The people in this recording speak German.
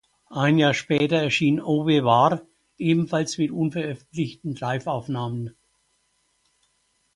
Ein Jahr später erschien "Ouwe war", ebenfalls mit unveröffentlichten Liveaufnahmen.